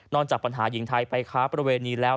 จากปัญหาหญิงไทยไปค้าประเวณีแล้ว